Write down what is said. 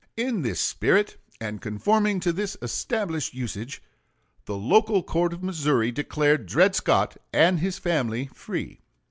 In this spirit, and conforming to this established usage, the local court of Missouri declared Dred Scott and his family free.